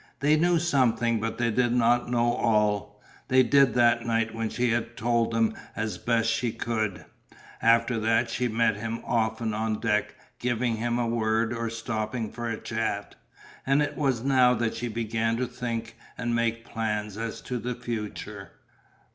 They knew something but they did not know all. They did that night when she had told them as best she could. After that she met him often on deck, giving him a word or stopping for a chat, and it was now that she began to think and make plans as to the future.